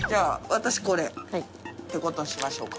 私これってことにしましょうか。